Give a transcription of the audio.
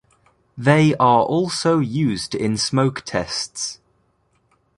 They are also used in smoke tests.